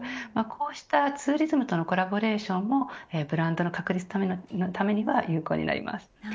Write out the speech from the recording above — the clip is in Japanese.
こうしたツーリズムとのコラボレーションもブランドの確立のためには有効になります。